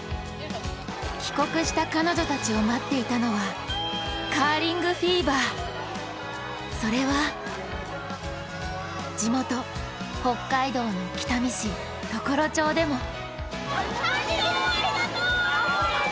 帰国した彼女たちを待っていたのはカーリングフィーバー、それはそれは地元・北海道の北見市常呂町でも。